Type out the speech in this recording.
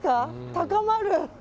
高まる！